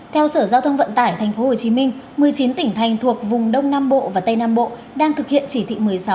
theo sở giao thông vận tải tp hcm một mươi chín tỉnh thành thuộc vùng đông nam bộ và tây nam bộ đang thực hiện chỉ thị một mươi sáu